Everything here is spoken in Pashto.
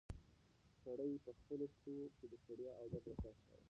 سړی په خپلو پښو کې د ستړیا او درد احساس کاوه.